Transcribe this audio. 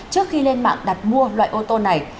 trước khi lên mạng đặt mua loại ô tô này